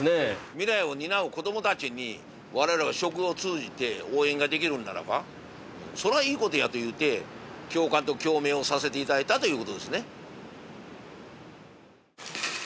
未来を担う子どもたちに我々は食を通じて応援ができるんならばそれはいい事やというて共感と共鳴をさせて頂いたという事ですね。